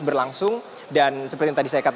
apakah ketua kpu hashim ashari akan digantikan